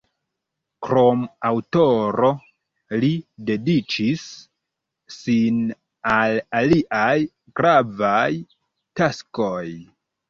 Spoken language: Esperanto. Krom aŭtoro, li dediĉis sin al aliaj gravaj taskoj.